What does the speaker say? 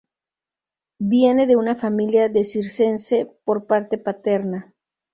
Viene de una familia de Circense por parte paterna.